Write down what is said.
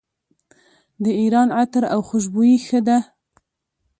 د ایران عطر او خوشبویي ښه ده.